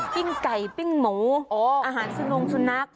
ไก่ปิ้งหมูอาหารสุนงสุนัข